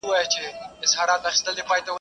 که وخت وي، تمرين کوم!!